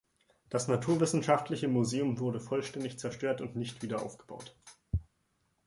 Das naturwissenschaftliche Museum wurde vollständig zerstört und nicht wieder aufgebaut.